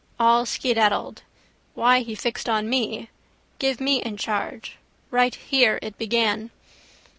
All skedaddled. Why he fixed on me. Give me in charge. Right here it began.